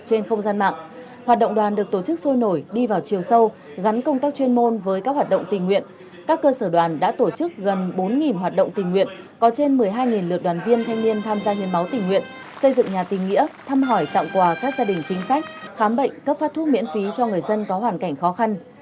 trên không gian mạng hoạt động đoàn được tổ chức sôi nổi đi vào chiều sâu gắn công tác chuyên môn với các hoạt động tình nguyện các cơ sở đoàn đã tổ chức gần bốn hoạt động tình nguyện có trên một mươi hai lượt đoàn viên thanh niên tham gia hiến máu tình nguyện xây dựng nhà tình nghĩa thăm hỏi tặng quà các gia đình chính sách khám bệnh cấp phát thuốc miễn phí cho người dân có hoàn cảnh khó khăn